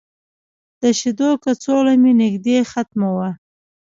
د شیدو کڅوړه مې نږدې ختمه وه.